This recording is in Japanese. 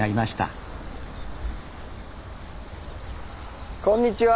ああこんにちは。